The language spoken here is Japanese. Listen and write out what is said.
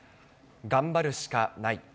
頑張るしかない。